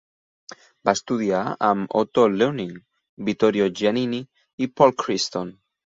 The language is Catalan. Va estudiar amb Otto Luening, Vittorio Giannini i Paul Creston.